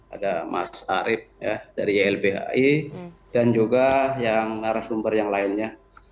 ada mas arief dari ylbhi dan juga yang narasumber yang lainnya